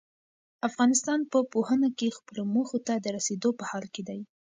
افغانستان په پوهنه کې خپلو موخو ته د رسېدو په حال کې دی.